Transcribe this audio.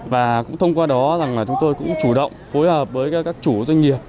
và cũng thông qua đó chúng tôi cũng chủ động phối hợp với các chủ doanh nghiệp